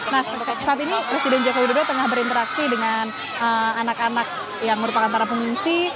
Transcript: nah saat ini presiden joko widodo tengah berinteraksi dengan anak anak yang merupakan para pengungsi